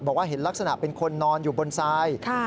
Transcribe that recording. บอกว่าเห็นลักษณะเป็นคนนอนอยู่บนทราย